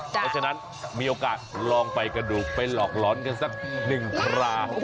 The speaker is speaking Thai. เพราะฉะนั้นมีโอกาสลองไปกันดูไปหลอกหลอนกันสักหนึ่งครา